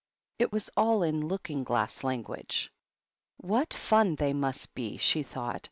It was all in Looking Glass language. " What fun they must be !" she thought.